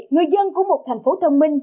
người dân của một thành phố thông minh